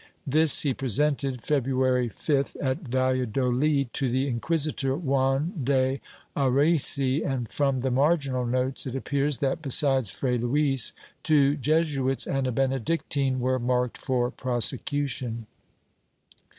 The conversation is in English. This he presented, February 5th, at Valladolid, to the inquisitor, Juan de Arrese and, from the marginal notes, it appears that, besides Fray Luis, two Jesuits and a Benedictine were marked for prosecution.